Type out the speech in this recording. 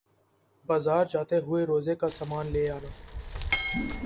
بازار جاتے ہوئے روزہ کا سامان لے آنا